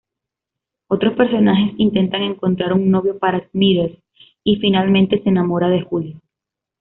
Otros personajes intentan encontrar un novio para Smithers, y finalmente se enamora de Julio.